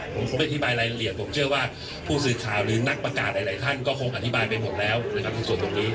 ผมคงไม่อธิบายรายละเอียดผมเชื่อว่าผู้สื่อข่าวหรือนักประกาศหลายท่านก็คงอธิบายไปหมดแล้วนะครับในส่วนตรงนี้